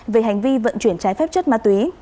về hành vi vận chuyển trái phép chất ma túy